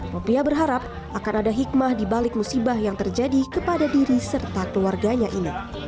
ropiah berharap akan ada hikmah di balik musibah yang terjadi kepada diri serta keluarganya ini